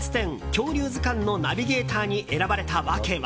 「恐竜図鑑」のナビゲーターに選ばれた訳は。